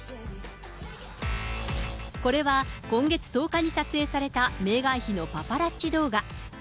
これは、今月１０日に撮影されたメーガン妃のパパラッチ動画。